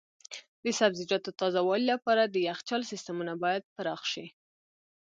د سبزیجاتو تازه والي لپاره د یخچال سیستمونه باید پراخ شي.